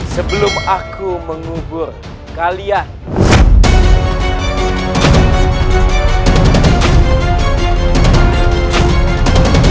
sebelum aku mengubur kalian